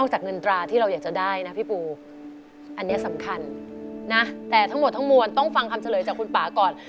อันนี้สำคัญนะแต่ทั้งหมดทั้งมวลต้องฟังคำเจริญจากคุณป๊าก่อน